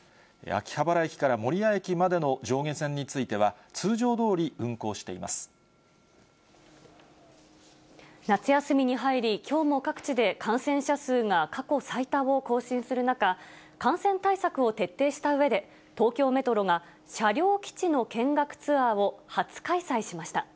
秋葉原駅から守谷駅までの上下線については、通常どおり、運行し夏休みに入り、きょうも各地で感染者数が過去最多を更新する中、感染対策を徹底したうえで、東京メトロが車両基地の見学ツアーを初開催しました。